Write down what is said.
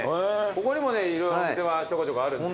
ここにもね色々お店はちょこちょこあるんですよ。